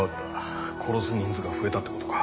殺す人数が増えたってことか？